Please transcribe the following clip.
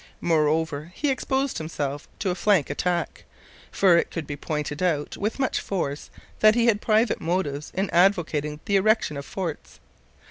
Moreover, he exposed himself to a flank attack, for it could be pointed out with much force that he had private motives in advocating the erection of forts.